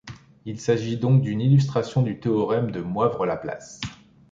Il s'agit donc d'une illustration du théorème de Moivre-Laplace.